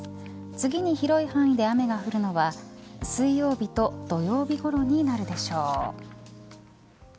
次に広い範囲で雨が降るのは水曜日と土曜日ごろになるでしょう。